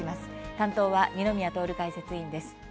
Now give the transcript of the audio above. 担当は二宮徹解説委員です。